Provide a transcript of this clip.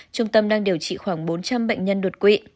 trung tâm đang điều trị khoảng bốn trăm linh bệnh nhân đột quỵ